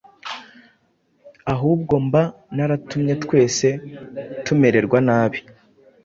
ahubwo mba naratumye twese tumererwa nabi.